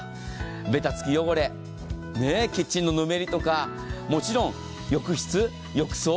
べたつき汚れキッチンのぬめりとかもちろん浴室、浴槽。